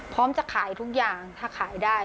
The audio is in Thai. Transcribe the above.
พร้อมจะขายทุกอย่างถ้าขายได้